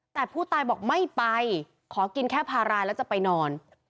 แต่ผู้ตายบอกไม่ไปขอกินแค่ภาระแล้วจะไปนอน